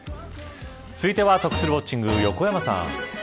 続いては得するウォッチング横山さん。